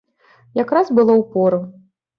Якраз было ў пору.